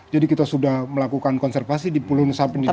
jadi kita sudah melakukan konservasi di pulau nusa penida